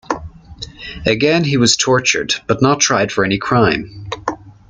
Again he was tortured but not tried for any crime.